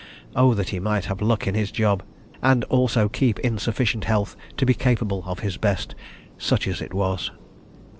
Oh, that he might have luck in his job, and also keep in sufficient health to be capable of his best—such as it was.